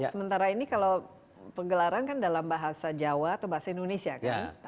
sementara ini kalau penggelaran kan dalam bahasa jawa atau bahasa indonesia kan